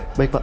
oke baik pak